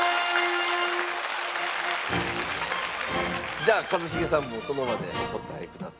じゃあ一茂さんもその場でお答えください。